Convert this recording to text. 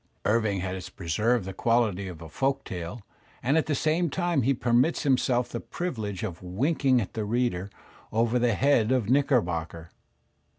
Irving has preserved the quality of a folk tale, and at the same time he permits himself the privilege of winking at the reader over the head of Knickerbocker.